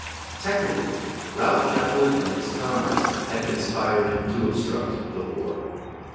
Technically, Ralph Chaplin and his comrades had conspired to obstruct the war.